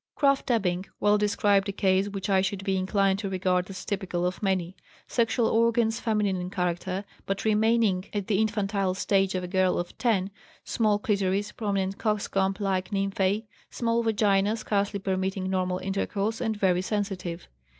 Krafft Ebing well described a case which I should be inclined to regard as typical of many: sexual organs feminine in character, but remaining at the infantile stage of a girl of 10; small clitoris, prominent cockscomb like nymphæ, small vagina scarcely permitting normal intercourse and very sensitive.